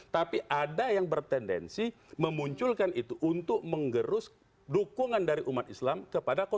tapi ada yang bertendensi memunculkan itu untuk menggerus dukungan dari umat islam kepada